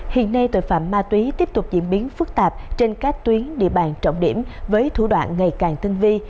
hiện nay tội phạm ma túy tiếp tục diễn biến phức tạp trên các tuyến địa bàn trọng điểm với thủ đoạn ngày càng tinh vi